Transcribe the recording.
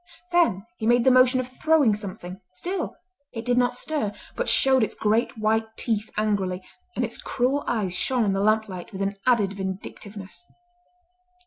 Then he made the motion of throwing something. Still it did not stir, but showed its great white teeth angrily, and its cruel eyes shone in the lamplight with an added vindictiveness.